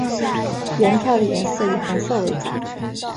原票的颜色以红色为主。